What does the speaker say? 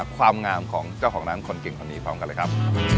ความงามของเจ้าของร้านคนเก่งคนนี้พร้อมกันเลยครับ